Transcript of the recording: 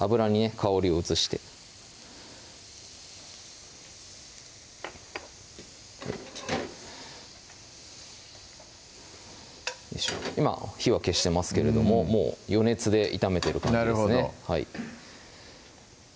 香りを移して今火は消してますけれどももう余熱で炒めてる感じですね